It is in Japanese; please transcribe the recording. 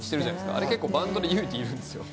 あれ、バンドで勇気いるんですよ。